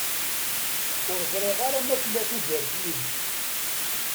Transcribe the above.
Ur ẓriɣ ara ma tella tudert yid-k.